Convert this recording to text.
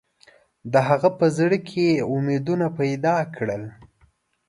د هغه په زړه کې یې امیدونه پیدا کړل.